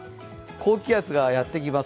高気圧がやってきます。